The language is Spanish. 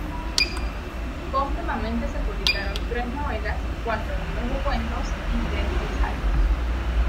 Póstumamente se publicaron tres novelas, cuatro libros de cuentos y tres ensayos.